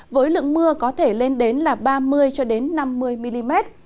với lượng mưa có thể lên đến ba mươi năm mươi mm